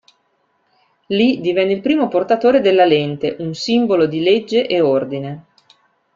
Li divenne il primo portatore della Lente, un simbolo di legge e ordine.